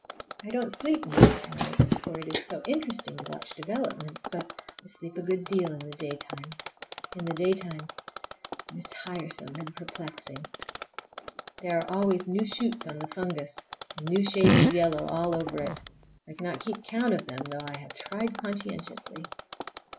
I don't sleep much at night, for it is so interesting to watch developments; but I sleep a good deal in the daytime. In the daytime it is tiresome and perplexing. There are always new shoots on the fungus, and new shades of yellow all over it. I cannot keep count of them, though I have tried conscientiously.